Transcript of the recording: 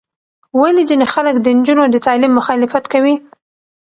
ولې ځینې خلک د نجونو د تعلیم مخالفت کوي؟